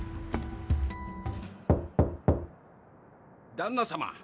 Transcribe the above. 旦那様。